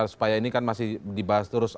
supaya ini kan masih dibahas terus